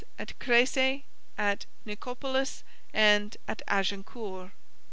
at Crécy, at Nicopolis, and at Agincourt.